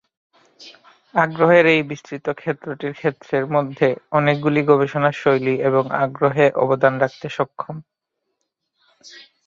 আগ্রহের এই বিস্তৃত ক্ষেত্রটির ক্ষেত্রের মধ্যে অনেকগুলি গবেষণা শৈলী এবং আগ্রহে অবদান রাখতে সক্ষম।